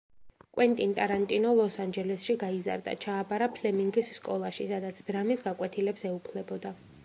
კვენტინ ტარანტინო ლოს-ანჟელესში გაიზარდა, ჩააბარა ფლემინგის სკოლაში, სადაც დრამის გაკვეთილებს ეუფლებოდა.